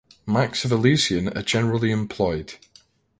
Marks of elision are generally employed.